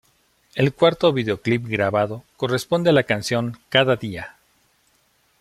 El cuarto videoclip grabado, corresponde a la canción "Cada día".